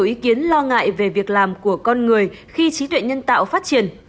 nhiều ý kiến lo ngại về việc làm của con người khi trí tuệ nhân tạo phát triển